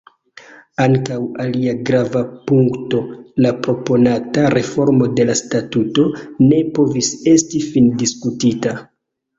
Ankaŭ alia grava punkto, la proponata reformo de la statuto, ne povis esti findiskutita.